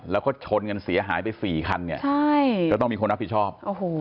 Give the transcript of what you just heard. แล้วก็ชนกันเสียหายไปสี่คันเนี่ยใช่ก็ต้องมีคนรับผิดชอบ